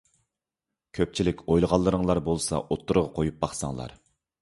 كۆپچىلىك ئويلىغانلىرىڭلار بولسا ئوتتۇرىغا قويۇپ باقساڭلار!